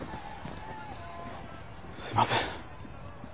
すいません。